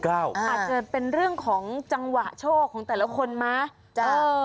อาจจะเป็นเรื่องของจังหวะโชคของแต่ละคนไหม